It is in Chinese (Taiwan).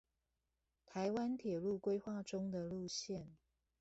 臺灣鐵路規劃中的路線